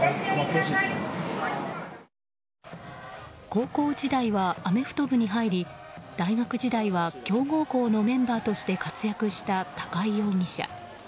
高校時代はアメフト部に入り大学時代は強豪校のメンバーとして活躍した高井容疑者。